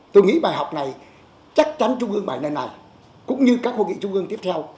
tôi nghĩ bài học này chắc chắn trung ương bảy lần này cũng như các hội nghị trung ương tiếp theo